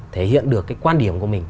thể hiện được cái quan điểm của mình